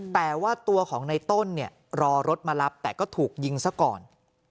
แต่ว่าตัวของในต้นเนี่ยรอรถมารับแต่ก็ถูกยิงซะก่อน